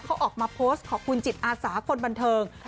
เขาออกมาโพสต์ขอบคุณจิตอาสาคนบันเทิง